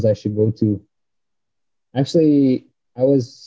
tentang sekolah yang gue harus ke